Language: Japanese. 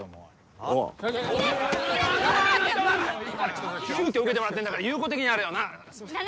ちょっと急きょ受けてもらってんだから友好的にやれよなすいません